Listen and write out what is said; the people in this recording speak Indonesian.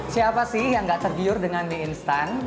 siapa sih yang gak tergiur dengan mie instan